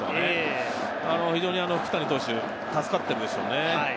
福谷投手、助かっているでしょうね。